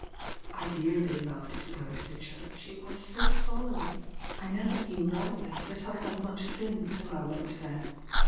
I dearly loved to go to the church, it was so solemn. I never knew rightly that I had much sin till I went there.